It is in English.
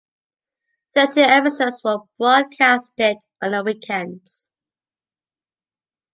Thirteen episodes were broadcasted on the weekends.